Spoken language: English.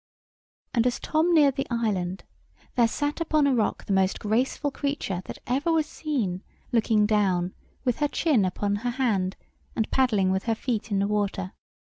And as Tom neared the island, there sat upon a rock the most graceful creature that ever was seen, looking down, with her chin upon her hand, and paddling with her feet in the water.